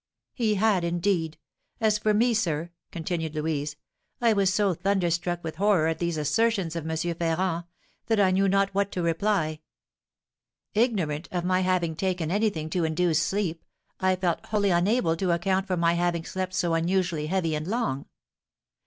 "He had, indeed. As for me, sir," continued Louise, "I was so thunderstruck with horror at these assertions of M. Ferrand, that I knew not what to reply. Ignorant of my having taken anything to induce sleep, I felt wholly unable to account for my having slept so unusually heavy and long.